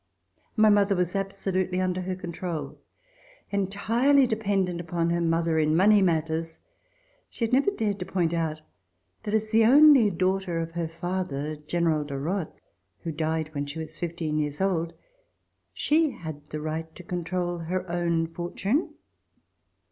My mother was absolutely under her contol. Entirely dependent upon her mother in money matters, she had never dared to RECOLLECTIONS OF THE REVOLUTION point out, that as the only daughter of her father General de Rothe, who died when she was fifteen years old, she had the right to control her own fortune.